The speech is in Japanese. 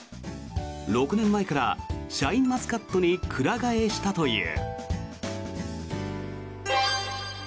６年前からシャインマスカットにくら替えしたという。